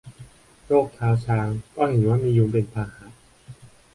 โรคเท้าช้าง ก็เห็นว่ามียุงเป็นพาหะ